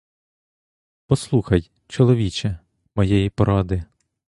Послухай, чоловіче, моєї поради.